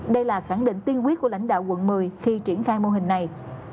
đây là khẳng định tiên quyết của lãnh đạo quận một mươi khi triển khai mô hình này